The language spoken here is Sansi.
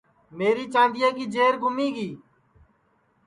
میری چاندیا کی جیر گُمی گی